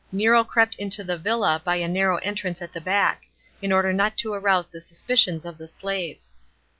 Nero crept into the villa by a narrow entrance at the back, in order not to arouse the suspicions of the slaves.